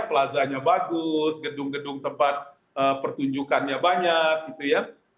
plazanya bagus gedung gedung tempat pertunjukannya banyak gitu ya